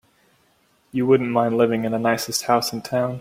You wouldn't mind living in the nicest house in town.